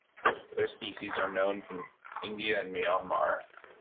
Other species are known from India and Myanmar.